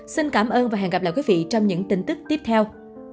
xin cảm ơn và hẹn gặp lại quý vị trong những tin tức tiếp theo